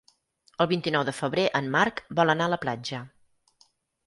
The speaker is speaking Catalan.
El vint-i-nou de febrer en Marc vol anar a la platja.